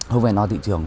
không phải no thị trường